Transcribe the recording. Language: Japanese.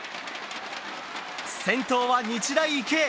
先頭は日大、池江。